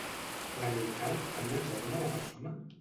La deïtat tenia forma de persona?